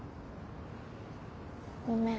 ごめん。